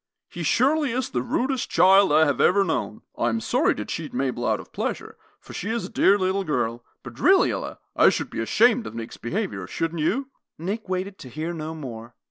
He surely is the rudest child I have ever known. I am sorry to cheat Mabel out of pleasure, for she is a dear little girl, but really Ella, I should be ashamed of Nick's behavior, shouldn't you?" Nick waited to hear no more.